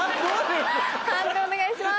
判定お願いします。